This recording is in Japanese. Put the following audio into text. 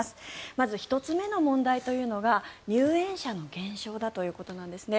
まず、１つ目の問題というのが入園者の減少だということなんですね。